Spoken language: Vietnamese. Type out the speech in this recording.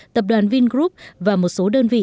tập đoàn vingroup và một số đơn vị